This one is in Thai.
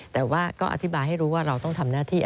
แต่ว่าก็อธิบายให้รู้ว่าเราต้องทำหน้าที่